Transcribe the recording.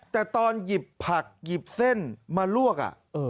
แต่ตอนหยิบผักหยิบเส้นมาลวก